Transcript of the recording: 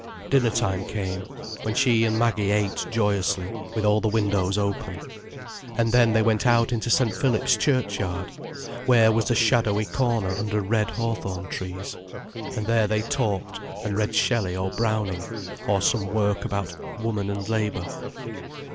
Dinner time came, when she and Maggie ate joyously, with all the windows open. And then they went out into St. Philip's churchyard, where was a shadowy corner under red hawthorn trees. And there they talked and read Shelley or Browning or some work about "Woman and Labour".